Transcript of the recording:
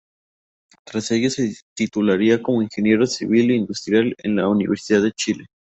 Tras ello se titularía como ingeniero civil industrial en la Universidad de Chile.